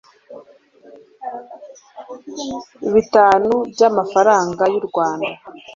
bitanu by'amafaranga y u rwanda